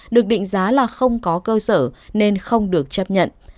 được định giá là không có cơ sở nên không được chấp nhận